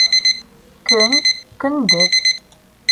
Көн, көндөҙ